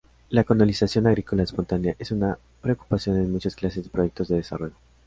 La colonización agrícola espontánea es una preocupación en muchas clases de proyectos de desarrollo.